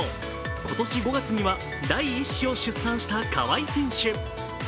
今年５月には第１子を出産した川井選手。